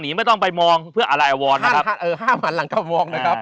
หนีไม่ต้องไปมองเพื่ออะไรเออห้ามหันหลังก็มองนะครับ